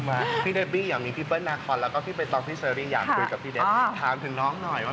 เมื่อที่กำลังจะถามพี่เด้บว่ามาได้อย่างไรไง